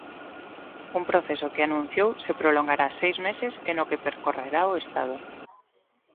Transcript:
Un proceso que anunciou se prolongará seis meses e no que percorrerá o Estado.